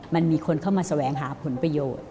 มันมีคนเข้ามาแสวงหาผลประโยชน์